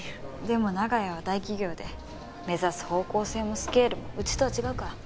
でも長屋は大企業で目指す方向性もスケールもうちとは違うから。